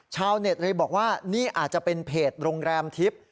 ชาวเน็ตเลยบอกว่านี่อาจจะเป็นเพจโรงแรมทิพย์